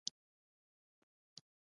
خو خوندونه یې بیل دي.